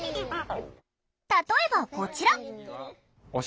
例えばこちら！